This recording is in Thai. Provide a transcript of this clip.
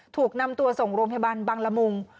ถูกนำตัวส่งโรงพยาบาลบังละมุง